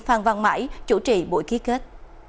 phan văn mãi chủ trì buổi ký kết